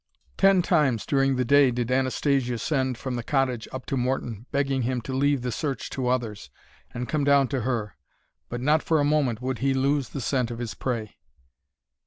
Ten times during the day did Anastasia send from the cottage up to Morton, begging him to leave the search to others, and come down to her. But not for a moment would he lose the scent of his prey.